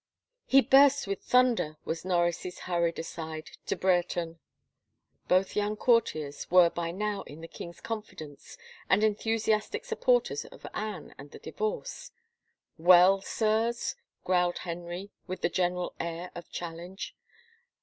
" He bursts with thunder," was Norris's hurried aside to Brereton. Both young courtiers were by now in the king's confidence and enthusiastic supporters of Anne and the divorce. " Well, sirs ?" growled Henry with a general air of challenge.